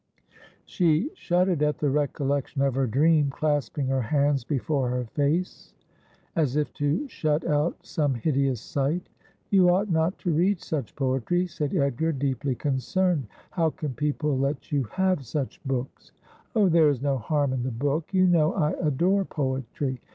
She shuddered at the recollection of her dream, clasping her hands before her face, as if to shut out some hideous sight. ' You ought not to read such poetry,' said Edgar, deeply con cerned. ' How can people let you have such books ?'' Oh, there is no harm in the book. You know I adore poetry.